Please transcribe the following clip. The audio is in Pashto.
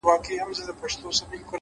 هره ورځ د نوې نسخې جوړولو فرصت دی؛